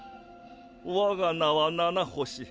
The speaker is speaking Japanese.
我が名は七星。